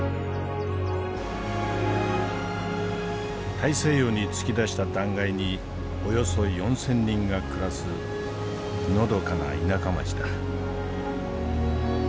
大西洋に突き出した断崖におよそ４，０００人が暮らすのどかな田舎町だ。